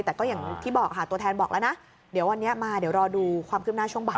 แต่ก็อย่างที่บอกค่ะตัวแทนบอกแล้วนะเดี๋ยววันนี้มาเดี๋ยวรอดูความคืบหน้าช่วงบ่าย